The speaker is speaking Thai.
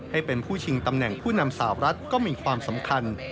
ให้เป็นผู้ชิงตำแหน่งผู้นำสาวรัฐก็มีความสำคัญ